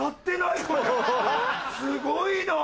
すごいな。